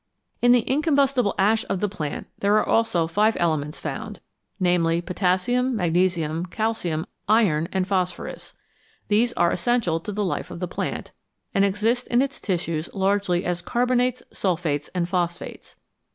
In the incombustible ash of the plant there are also five elements found, namely, potassium, magnesium, calcium, iron, and phosphorus ; these are essential to the life of the plant, and exist in its tissues largely as carbonates, sulphates, and phosphates.